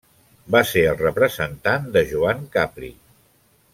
Va ser el representant de Joan Capri.